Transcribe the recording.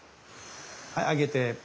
はい上げて。